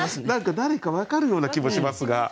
何か誰か分かるような気もしますが。